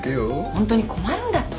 ホントに困るんだって。